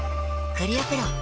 クリアプロだＣ。